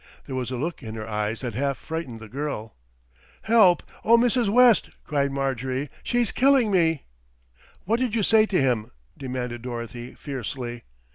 There was a look in her eyes that half frightened the girl. "Help! Oh, Mrs. West!" cried Marjorie, "she's killing me." "What did you say to him?" demanded Dorothy fiercely.